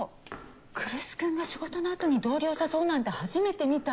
来栖君が仕事のあとに同僚誘うなんて初めて見た。